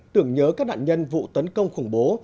tưởng nhớ các nạn nhân vụ tấn công khủng bố